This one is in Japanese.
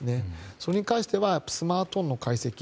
それに関してはスマートフォンの解析。